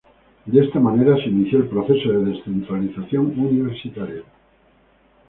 De esta manera se inició el proceso de descentralización universitaria.